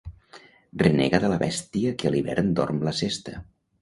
Renega de la bèstia que a l'hivern dorm la sesta.